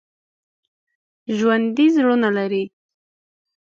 ژوندي زړونه لري